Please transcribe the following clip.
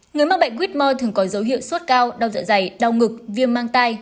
người mắc bệnh wismore thường có dấu hiệu suốt cao đau dạ dày đau ngực viêm mang tai